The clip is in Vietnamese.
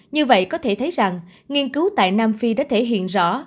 như vậy có thể thấy rằng nghiên cứu tại nam phi đã thể hiện rõ